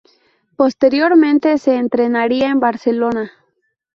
Posteriormente se entrenaría en Barcelona.